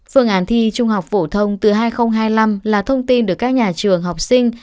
phương án thi trung học phổ thông từ hai nghìn hai mươi năm là thông tin được các nhà trường học sinh